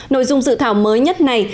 nội dung dự thảo mới nhất này